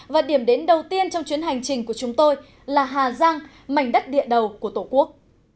và điểm đến đầu tiên trong chuyến hành trình của chúng tôi là hà giang mảnh đất địa đầu của tổ quốc